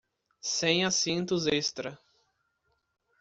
Sem assentos extra